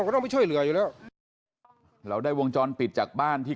ก็ต้องไปช่วยเหลืออยู่แล้วเราได้วงจรปิดจากบ้านที่